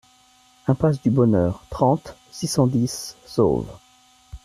Impasse du Bonheur, trente, six cent dix Sauve